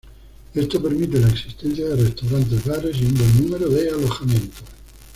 Esto permite la existencia de restaurantes, bares y un buen número de alojamientos.